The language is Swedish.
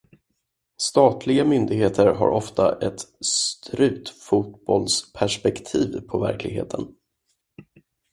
Statliga myndigheter har ofta ett strutfotbollsperspektiv på verkligheten.